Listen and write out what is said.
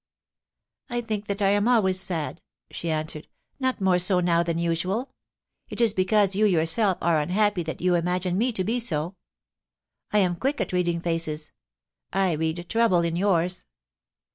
' I think that I am always sad,' she answered ;* not more so now than usual It is because you yourself are unhappy that you imagine me to be so. I am quick at reading faces. I read trouble in yours.'